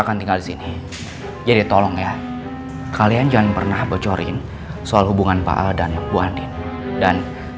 kan mas al nyuruh ngerahasiain soal bu rosa narin mbak andin